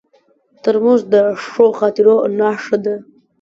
ترموز د ښو خاطرو نښه ده.